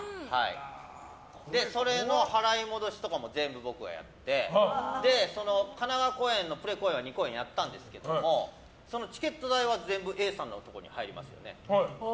それの払い戻しとかも全部僕がやってその神奈川公演は２公演やったんですけどチケット代は全部Ａさんのところに入りますよね。